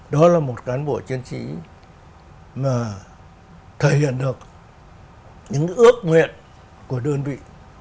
đó là một cán bộ chiến sĩ mà thể hiện được những ước nguyện của đơn vị